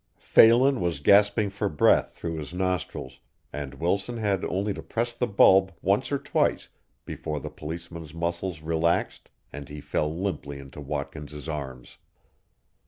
Phelan was gasping for breath through his nostrils, and Wilson had only to press the bulb once or twice before the policeman's muscles relaxed and he fell limply into Watkins's arms.